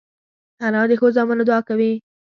انا د ښو زامنو دعا کوي